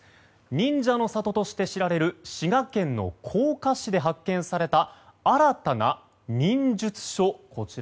忍者の里として知られる滋賀県甲賀市で発見された新たな忍術書。